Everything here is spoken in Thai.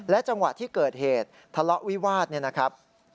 จังหวะที่เกิดเหตุทะเลาะวิวาสเนี่ยนะครับ